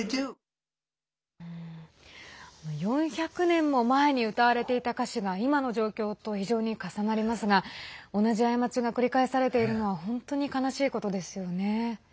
４００年も前に歌われていた歌詞が今の状況と非常に重なりますが同じ過ちが繰り返されているのは本当に悲しいことですよね。